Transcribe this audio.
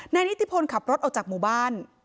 นิติพลขับรถออกจากหมู่บ้าน